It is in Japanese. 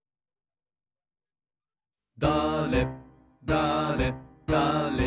だれだれ